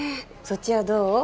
そっちはどう？